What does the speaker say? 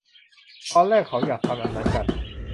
ตอนแรกเขาอยากทำอันนั้นกัน